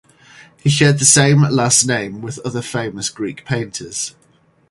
He shared the same last name with other famous Greek painters.